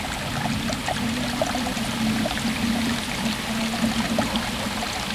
Se llama "polvo de estrellas" y se incluye en una sección separada a continuación.